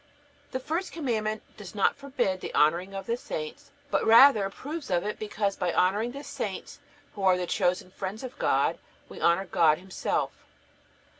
The first Commandment does not forbid the honoring of the saints, but rather approves of it; because by honoring the saints, who are the chosen friends of God, we honor God Himself.